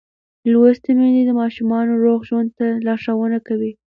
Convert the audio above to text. لوستې میندې د ماشومانو روغ ژوند ته لارښوونه کوي.